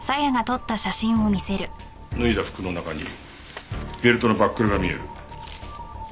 脱いだ服の中にベルトのバックルが見える。